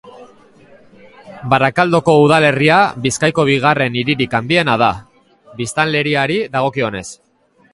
Barakaldoko udalerria Bizkaiko bigarren hiririk handiena da, biztanleriari dagokionez.